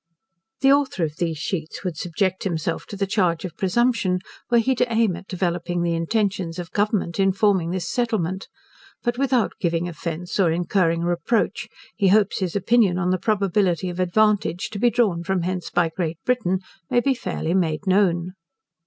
The author of these sheets would subject himself to the charge of presumption, were he to aim at developing the intentions of Government in forming this settlement. But without giving offence, or incurring reproach, he hopes his opinion on the probability of advantage to be drawn from hence by Great Britain, may be fairly made known.